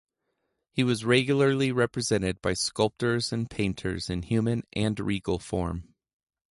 He was regularly represented by sculptors and painters in human and regal form.